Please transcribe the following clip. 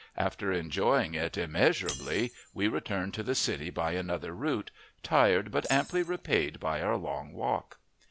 After enjoying it immeasurably, we returned to the city by another route, tired but amply repaid by our long walk.